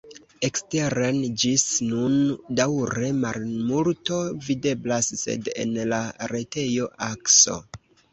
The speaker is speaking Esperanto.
Eksteren ĝis nun daŭre malmulto videblas, sed en la retejo Akso.